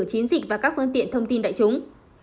chiến dịch và các phương tiện thông tin đại chúng